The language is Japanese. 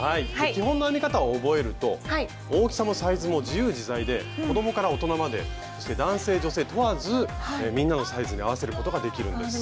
基本の編み方を覚えると大きさもサイズも自由自在で子どもから大人までそして男性女性問わずみんなのサイズに合わせることができるんです。